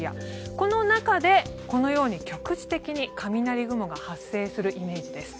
この中で局地的に雷雲が発生するイメージです。